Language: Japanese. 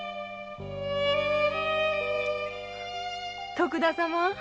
徳田様